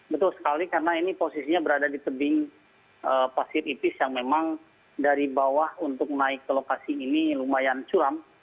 betul sekali karena ini posisinya berada di tebing pasir ipis yang memang dari bawah untuk naik ke lokasi ini lumayan curam